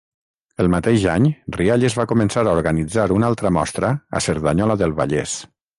El mateix any Rialles va començar a organitzar una altra mostra a Cerdanyola del Vallès.